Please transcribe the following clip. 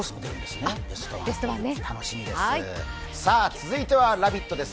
続いては「ラヴィット！」です